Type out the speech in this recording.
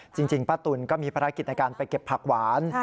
จริงป้าตุ๋นก็มีภารกิจในการไปเก็บผักหวาน